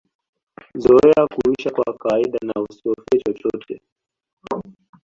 Zoea kuisha kwa kawaida na usihofie chochote